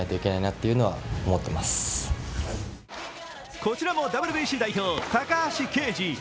こちらもＷＢＣ代表・高橋奎二。